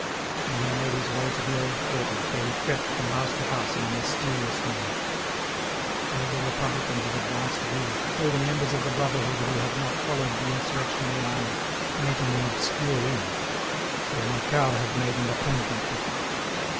Then he made his way to the old quarter, where he crept from house to house in a mysterious manner. All the Republicans of advanced views, all the members of the brotherhood who had not followed the insurrectionary army, met in an obscure inn, where Macquart had made an appointment with them.